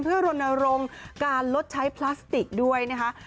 เพื่อรณรงค์การลดใช้พลาสติกด้วยนะคะ